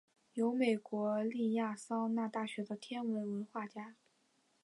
由美国亚利桑那大学的天文化学家。